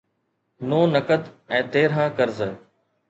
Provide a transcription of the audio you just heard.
نو نقد ۽ تيرهن قرض